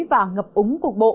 và ngập úng cục bộ